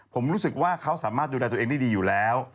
ผมรู้สึกว่าเขาสามารถดูแลตัวเองได้ดีอยู่แล้ว